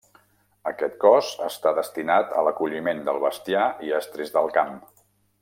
Aquest cos està destinat a l'acolliment del bestiar i estris del camp.